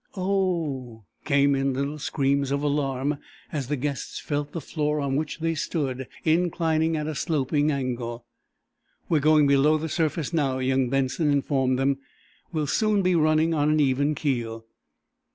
"O o o oh!" came in little screams of alarm as the guests felt the floor on which they stood inclining at a sloping angle. "We're going below the surface now," young Benson informed them. "We'll soon be running on an even keel."